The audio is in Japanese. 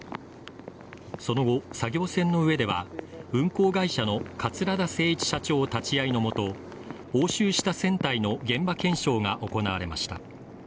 その後、作業船の上では運航会社の桂田精一社長立ち会いの下押収した船体の現場検証が行われました。